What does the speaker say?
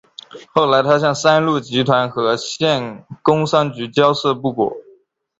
后来他向三鹿集团和县工商局交涉不果。